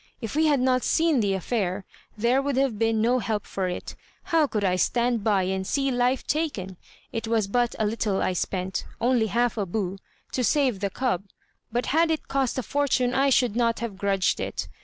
If we had not seen the affair, there would have been no help for it. How could I stand by and see life taken? It was but a little I spent only half a bu to save the cub, but had it cost a fortune I should not have grudged it.